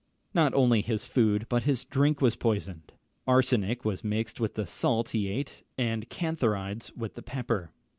Not only his food but his drink was poisoned. Arsenic was mixed with the salt he ate, and cantharides with the pepper.